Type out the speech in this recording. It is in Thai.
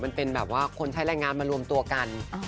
มันเป็นแบบว่าคนใช้แรงงานมารวมตัวกัน